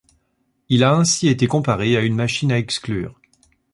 Il a ainsi été comparé à une machine à exclure.